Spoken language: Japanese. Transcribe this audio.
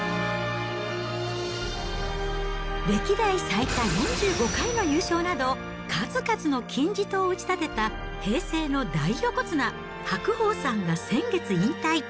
歴代最多４５回の優勝など、数々の金字塔を打ち立てた、平成の大横綱・白鵬さんが先月、引退。